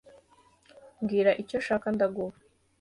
Mbwira icyo ushaka ndaguha